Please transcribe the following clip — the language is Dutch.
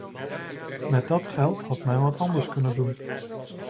Met dat geld had men wat anders kunnen doen.